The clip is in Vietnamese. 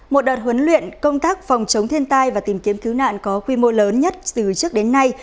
một đợt huấn luyện công tác phòng chống thiên tai và tìm kiếm cứu nạn có quy mô lớn nhất từ trước đến nay